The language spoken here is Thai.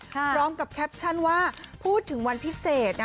พร้อมกับแคปชั่นว่าพูดถึงวันพิเศษนะ